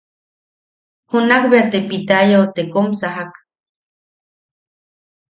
Junak bea te Pitayau te kom sajak.